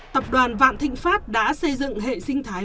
tập đoàn vạn thịnh pháp đã xây dựng hệ sinh thái